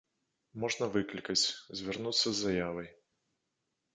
Можна выклікаць, звярнуцца з заявай.